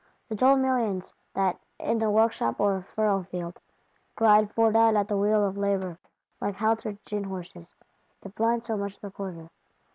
The dull millions that, in the workshop or furrowfield, grind fore done at the wheel of Labour, like haltered gin horses, if blind so much the quieter?